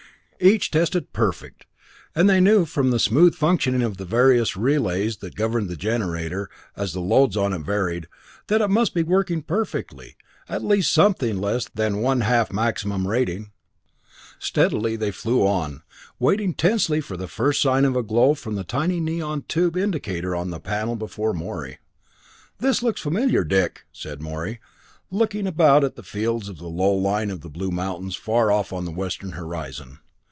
Each tested perfect; and they knew from the smooth functioning of the various relays that governed the generator, as the loads on it varied, that it must be working perfectly, at something less than one half maximum rating. Steadily they flew on, waiting tensely for the first sign of a glow from the tiny neon tube indicator on the panel before Morey. "This looks familiar, Dick," said Morey, looking about at the fields and the low line of the blue mountains far off on the western horizon.